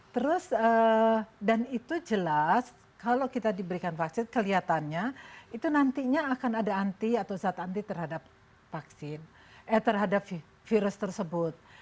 terus dan itu jelas kalau kita diberikan vaksin kelihatannya itu nantinya akan ada anti atau zat anti terhadap vaksin eh terhadap virus tersebut